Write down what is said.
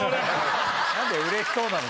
なんでうれしそうなの？